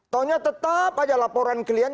tahunya tetap ada laporan kalian